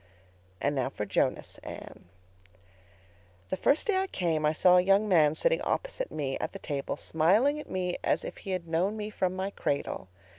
"And now for Jonas, Anne. "That first day I came I saw a young man sitting opposite me at the table, smiling at me as if he had known me from my cradle.